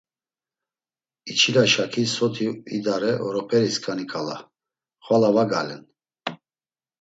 İçilaşakis soti idare oroperiskani ǩala, xvala vagalen.